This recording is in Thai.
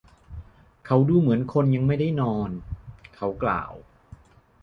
“เขาดูเหมือนคนยังไม่ได้นอน” เขากล่าว